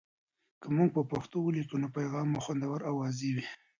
که موږ په پښتو ولیکو، نو پیغام مو خوندور او واضح وي.